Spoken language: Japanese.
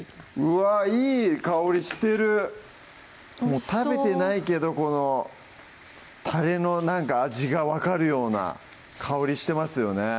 うわぁいい香りしてるもう食べてないけどこのたれのなんか味が分かるような香りしてますよね